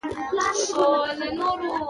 سیلابونه د افغان ښځو په ژوند کې هم رول لري.